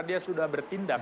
dia sudah bertindak